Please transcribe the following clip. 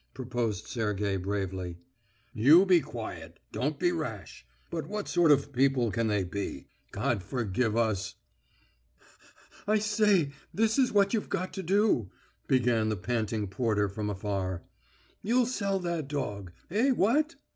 proposed Sergey bravely. "You be quiet! Don't be rash! But what sort of people can they be? God forgive us...." "I say, this is what you've got to do...," began the panting porter from afar. "You'll sell that dog. Eh, what?